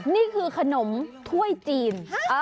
นี่คือขนมถ้วยจีน